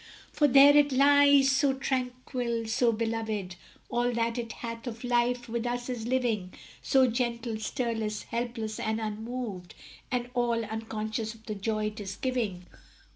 For there it lies, so tranquil, so beloved; All that it hath of life with us is living; So gentle, stirless, helpless, and unmoved, And all unconscious of the joy 'tis giving.